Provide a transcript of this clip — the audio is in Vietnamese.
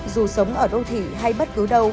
dù sống ở đô thị hay bất cứ đâu